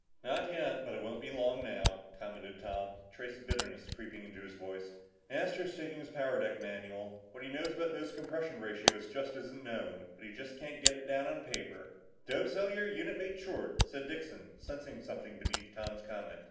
"Not yet, but it won't be long now," commented Tom, a trace of bitterness creeping into his voice. "Astro's taking his power deck manual. What he knows about those compression ratios just isn't known. But he just can't get it on paper." "Don't sell your unit mate short," said Dixon, sensing something beneath Tom's comment.